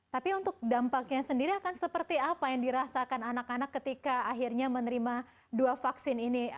tapi untuk dampaknya sendiri akan seperti apa yang dirasakan anak anak ketika akhirnya menerima dua vaksin ini